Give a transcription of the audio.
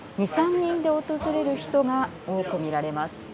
２３人で訪れる人が多くみられます。